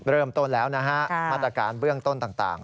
เริ่มต้นแล้วนะฮะมาตรการเบื้องต้นต่าง